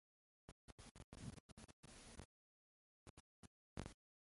پکتيکا ولايت مرکز د ښرنې ښار دی